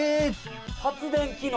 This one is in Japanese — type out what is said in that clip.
発電機能？